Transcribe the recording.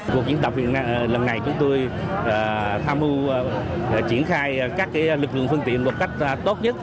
cuộc diễn tập lần này chúng tôi tham mưu triển khai các lực lượng phương tiện một cách tốt nhất